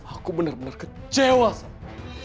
aku benar benar kecewa sama